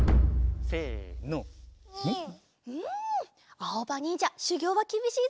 あおばにんじゃしゅぎょうはきびしいぞ。